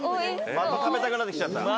また食べたくなっちゃったね。